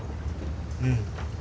うん。